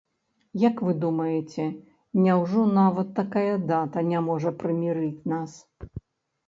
Як вы думаеце, няўжо нават такая дата не можа прымірыць нас?